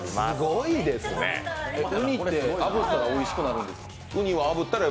うにってあぶったらおいしくなるんですか？